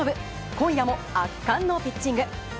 今夜も圧巻のピッチング。